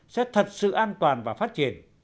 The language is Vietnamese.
sẽ thật sự an toàn và phát triển